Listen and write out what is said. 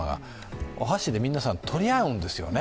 お箸で皆さん、取り合うんですよね。